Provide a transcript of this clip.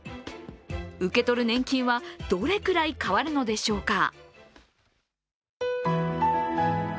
受け取る年金はどれくらい変わるのでしょうか。